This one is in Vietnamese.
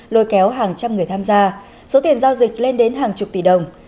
lôi kéo hàng trăm người tham gia số tiền giao dịch lên đến hàng chục tỷ đồng